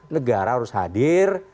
negara harus hadir